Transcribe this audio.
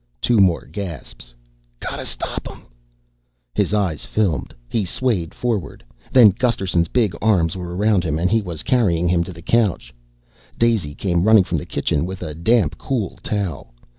Two more gasps. "Gotta stop 'em." His eyes filmed. He swayed forward. Then Gusterson's big arms were around him and he was carrying him to the couch. Daisy came running from the kitchen with a damp cool towel.